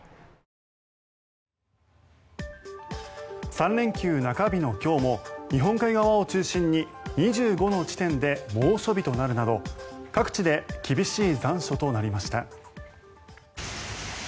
３連休中日の今日も日本海側を中心に２５の地点で猛暑日となるなど各地で厳しい残暑となりました。